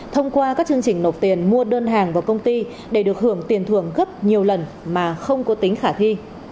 thông qua các chương trình nộp tiền mua đơn hàng vào công ty để được hưởng tiền thường gấp nhiều lần mà không có tính khả thi